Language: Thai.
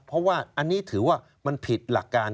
เพราะว่าอันนี้ถือว่ามันผิดหลักการ